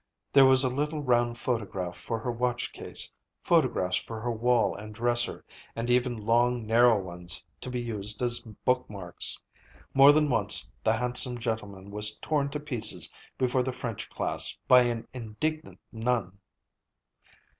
There was a little round photograph for her watch case, photographs for her wall and dresser, and even long narrow ones to be used as bookmarks. More than once the handsome gentleman was torn to pieces before the French class by an indignant nun.